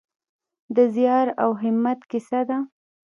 د زیار او همت کیسه ده.